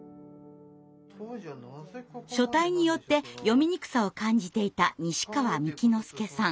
書体によって読みにくさを感じていた西川幹之佑さん。